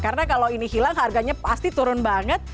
karena kalau ini hilang harganya pasti turun banget